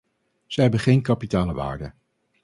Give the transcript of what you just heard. Zij hebben geen kapitale waarde.